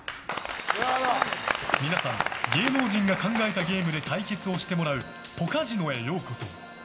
皆さん芸能人が考えたゲームで対決をしてもらうポカジノへようこそ。